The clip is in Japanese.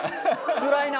つらいな。